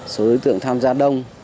số đối tượng tham gia đông